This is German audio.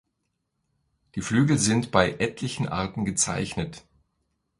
Die Flügel sind bei etlichen Arten gezeichnet.